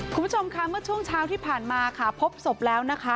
คุณผู้ชมค่ะเมื่อช่วงเช้าที่ผ่านมาค่ะพบศพแล้วนะคะ